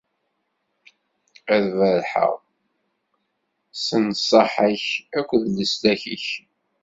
Ad berrḥeɣ s nnṣaḥa-k akked leslak-ik.